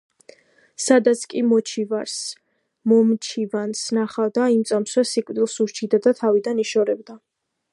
სადაც კი მოჩივარს მომჩივანს ნახავდა, იმ წამსვე სიკვდილს უსჯიდა და თავიდან იშორებდა.